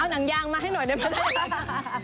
หนังยางมาให้หน่อยได้ไหม